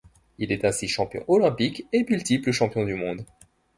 Il est ainsi champion olympique et multiple champion du monde.